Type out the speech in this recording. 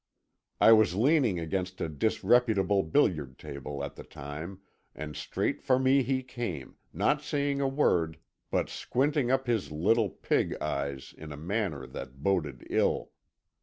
I was leaning against a disreputable billiard table, at the time, and straight for me he came, not saying a word, but squinting up his little, pig eyes in a manner that boded ill.